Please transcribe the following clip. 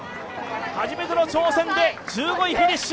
初めての挑戦で１５位フィニッシュ！